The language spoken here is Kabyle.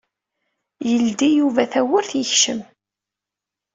Yeldi Yuba tawwurt yekcem.